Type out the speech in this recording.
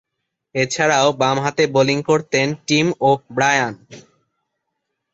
এছাড়াও, বামহাতে বোলিং করতেন টিম ও’ব্রায়ান।